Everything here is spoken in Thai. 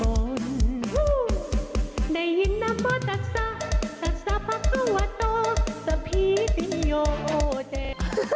ฮู้ได้ยินน้ำวตรักษะศรัทธาภาควัตโตสะพีสินโยโอ้แจ้ง